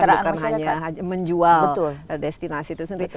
bukan hanya menjual destinasi itu sendiri